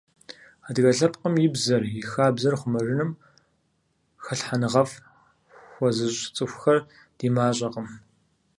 Адыгэ лъэпкъым и бзэр, и хабзэр хъумэжыным хэлъхьэныгъэфӀ хуэзыщӀ цӀыхухэр ди мащӀэкъым.